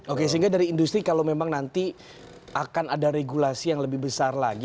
oke sehingga dari industri kalau memang nanti akan ada regulasi yang lebih besar lagi